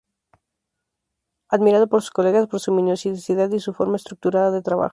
Admirado por sus colegas por su minuciosidad y su forma estructurada de trabajo.